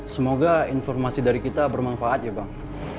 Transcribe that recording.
semoga informasi dari kita bermanfaat ya bang